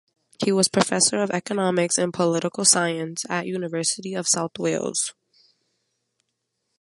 He was professor of economics and political science at University of South Wales.